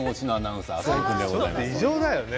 異常だよね。